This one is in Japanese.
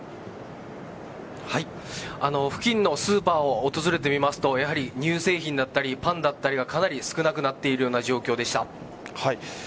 付近のスーパーを訪れてみますと乳製品だったりパンだったりがかなり少なくなっている状況でした。